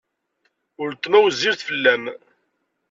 Weltma wezzilet fell-am.